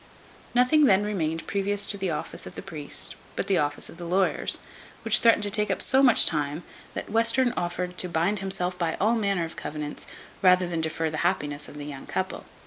Nothing then remained previous to the office of the priest, but the office of the lawyers, which threatened to take up so much time, that Western offered to bind himself by all manner of covenants, rather than defer the happiness of the young couple.